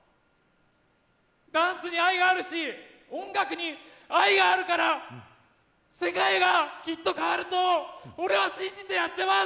ダンスに愛があるし、音楽に愛があるから、世界がきっと変わると俺は信じてやってます！